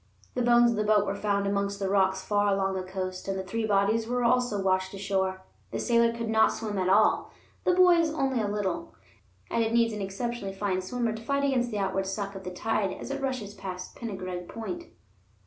The bones of the boat were found amongst the rocks far along the coast, and the three bodies were also washed ashore. The sailor could not swim at all, the boys only a little, and it needs an exceptionally fine swimmer to fight against the outward suck of the tide as it rushes past Pengareg Point.